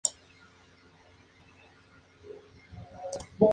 El sistema de sucesión al trono no es igual en todas las monarquías.